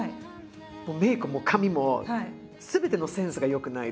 メークも髪もすべてのセンスが良くないと。